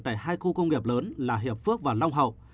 tại hai khu công nghiệp lớn là hiệp phước và long hậu